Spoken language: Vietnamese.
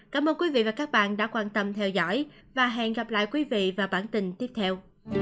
cảm ơn quý vị và các bạn đã quan tâm theo dõi và hẹn gặp lại quý vị và bản tin tiếp theo